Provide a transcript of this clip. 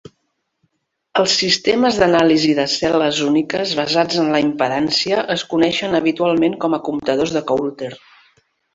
Els sistemes d'anàlisi de cel·les úniques basats en la impedància es coneixen habitualment com a comptadors de Coulter.